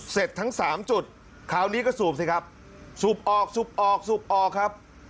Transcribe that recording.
ทั้งสามจุดคราวนี้ก็สูบสิครับสูบออกสูบออกสูบออกครับ